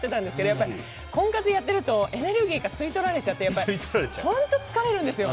やっぱり婚活やってるとエネルギーが吸い取られちゃって本当に疲れるんですよ。